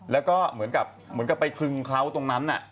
แล้วก็เหมือนกับเหมือนกับไปคลึงเขาตรงนั้น